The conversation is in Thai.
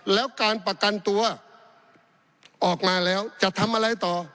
แล้วการประกันตัวออกมาแล้วจะทำอะไรต่อ